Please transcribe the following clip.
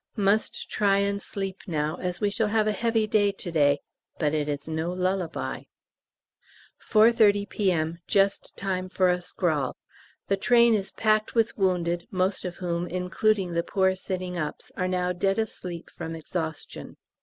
Must try and sleep now, as we shall have a heavy day to day, but it is no lullaby. 4.30 P.M. Just time for a scrawl. The train is packed with wounded, most of whom, including the poor sitting ups, are now dead asleep from exhaustion.